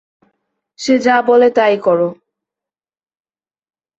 সে যা বলে তাই করো!